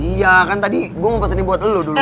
iya kan tadi gue mau pesen buat elu duluan